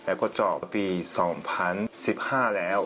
หลังจากตอนปี๒๐๑๕แล้ว